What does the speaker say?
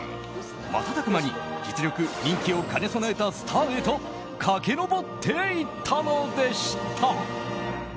瞬く間に実力・人気を兼ね備えたスターへと駆け上っていったのでした。